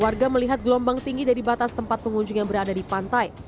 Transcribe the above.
warga melihat gelombang tinggi dari batas tempat pengunjung yang berada di pantai